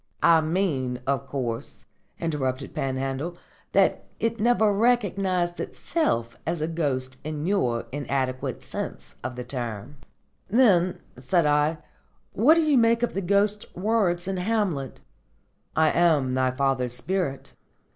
"I mean, of course," interrupted Panhandle, "that it never recognised itself as a ghost in your inadequate sense of the term." "Then," said I, "what do you make of the Ghost's words in Hamlet: 'I am thy father's spirit'?